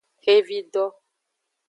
Xevido.